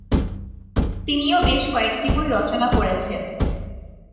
তিনিও বেশ কয়েকটি বই রচনা করেছেন।